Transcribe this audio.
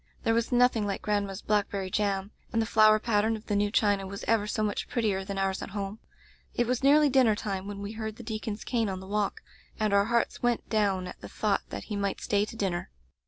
There was nothing like grandma's blackberry jam, and the flower pattern of the new china was ever so much prettier than ours at home. It was nearly dinner time when we heard the deacon's cane on the walk, and our hearts went down at the thought that he might stay to dinner.